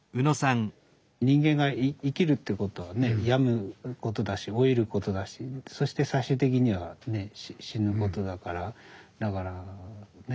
人間が生きるってことはね病むことだし老いることだしそして最終的には死ぬことだからだからね